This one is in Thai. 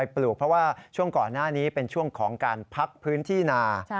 ปลูกเพราะว่าช่วงก่อนหน้านี้เป็นช่วงของการพักพื้นที่นา